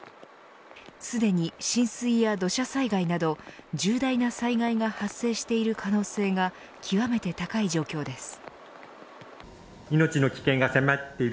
すでに浸水や土砂災害など重大な災害が発生している可能性が極めて高い状況です。